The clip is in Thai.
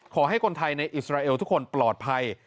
ขอให้คนไทยในอิสราเอลทุกคนปลอดภัย